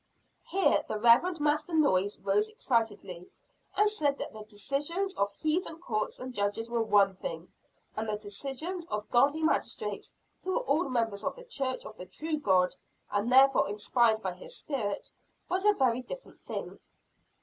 Here the Reverend Master Noyes rose excitedly, and said that the decisions of heathen courts and judges were one thing; and the decisions of godly magistrates, who were all members of the church of the true God, and therefore inspired by his spirit, was a very different thing.